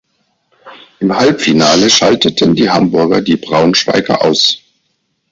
Im Halbfinale schalteten die Hamburger die Braunschweiger aus.